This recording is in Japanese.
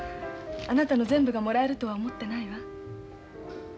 あなたの全部がもらえるとは思ってないわ。